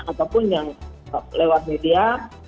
apapun yang lewat media